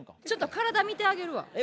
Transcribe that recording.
ちょっと体見てあげるわ。